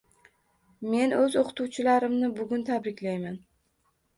Men oʻz oʻqituvchilarimni bugun tabriklayman!